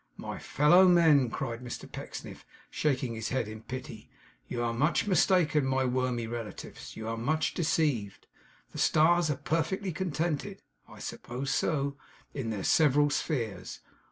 My fellow men!' cried Mr Pecksniff, shaking his head in pity; 'you are much mistaken; my wormy relatives, you are much deceived! The stars are perfectly contented (I suppose so) in their several spheres.